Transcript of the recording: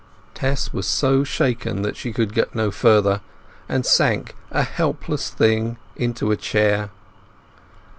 Tess was so shaken that she could get no further, and sank, a helpless thing, into a chair.